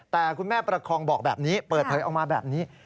แต่คุณแม่ประคองบอกแบบนี้เปิดเผยออกมาแบบนี้